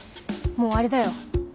もうあれだよ